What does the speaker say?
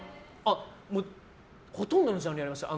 ほとんどのジャンルやりました。